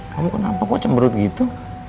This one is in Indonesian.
kamu kenapa kok cemberut gitu